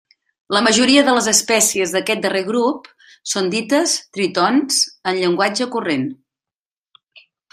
La majoria de les espècies d'aquest darrer grup són dites tritons en llenguatge corrent.